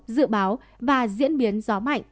dự báo và diễn biến gió mạnh